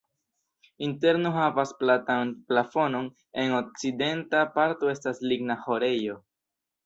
Interno havas platan plafonon, en okcidenta parto estas ligna ĥorejo.